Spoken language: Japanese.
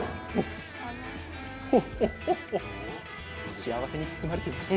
幸せに包まれています。